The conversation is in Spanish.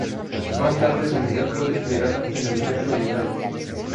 Más tarde su unidad fue desplegada en el frente oriental.